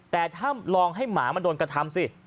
แต่ถ้าลองให้หมามันโดนกระทำสิ